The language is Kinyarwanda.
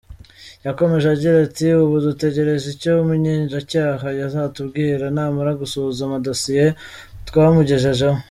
Yakomeje agira ati, “Ubu dutugereje icyo umushinjacyaha azatubwira namara gusuzuma dossier twamugejejeho.